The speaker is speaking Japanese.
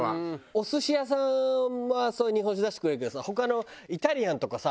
お寿司屋さんはそういう日本酒出してくれるけどさ他のイタリアンとかさあ